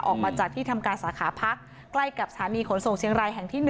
ออกมาจากที่ทำการสาขาพักใกล้กับสถานีขนส่งเชียงรายแห่งที่๑